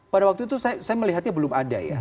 pada waktu itu saya melihatnya belum ada ya